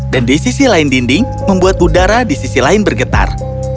dan di sisi lain dinding membuat udara di sisi lain bergetar